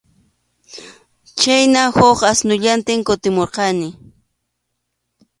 Chhayna huk asnullantin kutimurqani.